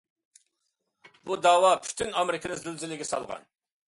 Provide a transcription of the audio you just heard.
بۇ دەۋا پۈتۈن ئامېرىكىنى زىلزىلىگە سالغان.